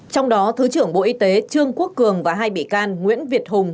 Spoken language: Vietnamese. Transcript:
trong đó thứ trưởng bộ y tế trương quốc cường và hai bị can nguyễn việt hùng